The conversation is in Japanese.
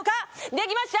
できました！